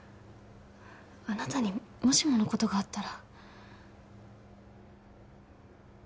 あなたにもしものことがあったら